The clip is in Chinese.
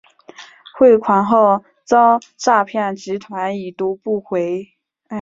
汇款后遭诈骗集团已读不回